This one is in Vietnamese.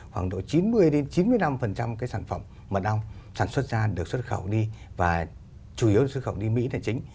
khoảng độ chín mươi đến chín mươi năm cái sản phẩm mật ong sản xuất ra được xuất khẩu đi và chủ yếu xuất khẩu đi mỹ là chính